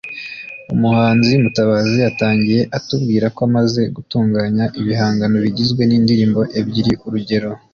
Umuhanzi Mutabazi yatangiye atubwira ko amaze gutunganya ibihangano bigizwe n’indirimbo ebyiri urugero